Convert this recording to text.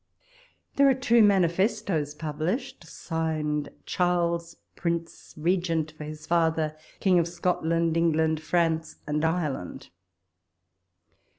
_ There are two manifestoes published, signed Charles Prince, llegent for his father, King of Scotland, England, France, and Ireland.